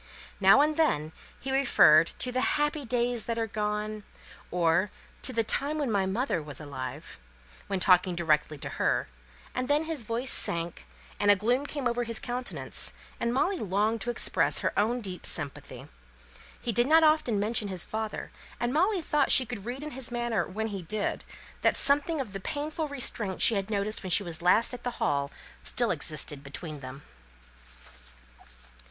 Now and then, when he was talking directly to her, he referred to "the happy days that are gone," or, "to the time when my mother was alive;" and then his voice sank, and a gloom came over his countenance, and Molly longed to express her own deep sympathy. He did not often mention his father; and Molly thought she could read in his manner, when he did, that something of the painful restraint she had noticed when she was last at the Hall still existed between them.